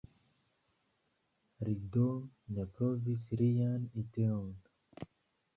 Li do ne provis lian ideon.